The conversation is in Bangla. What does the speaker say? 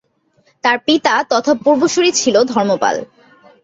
তার পিতা তথা পূর্বসূরি ছিলেন ধর্মপাল।